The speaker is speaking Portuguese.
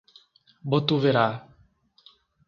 Botuverá